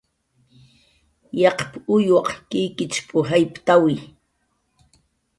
"Yaqp"" uywaq kikichp"" jayptawi"